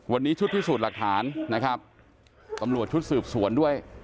วันนี้ชุดที่สุดหลักฐานตำรวจชุดสืบส่วนด้วย